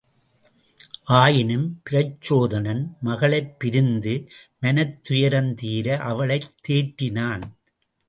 ஆயினும் பிரச்சோதனன் மகளைப் பிரிந்த மனத் துயரம் தீர அவளைத் தேற்றினான்.